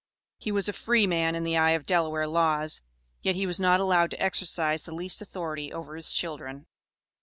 He was a "free man" in the eye of Delaware laws, yet he was not allowed to exercise the least authority over his children.